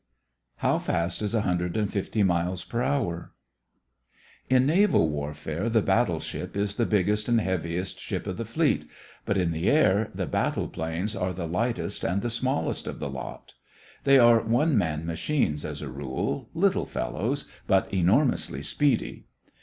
HOW FAST IS A HUNDRED AND FIFTY MILES PER HOUR? In naval warfare the battle ship is the biggest and heaviest ship of the fleet, but in the air the battle planes are the lightest and the smallest of the lot. They are one man machines, as a rule, little fellows, but enormously speedy.